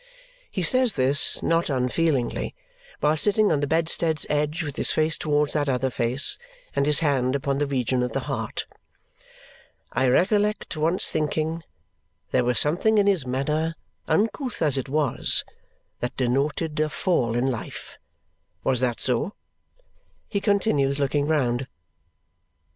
He says this, not unfeelingly, while sitting on the bedstead's edge with his face towards that other face and his hand upon the region of the heart. "I recollect once thinking there was something in his manner, uncouth as it was, that denoted a fall in life. Was that so?" he continues, looking round.